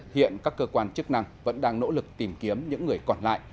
hiện các cơ quan chức năng vẫn đang nỗ lực tìm kiếm những người còn lại